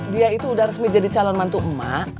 dia itu udah resmi jadi calon mantuk mak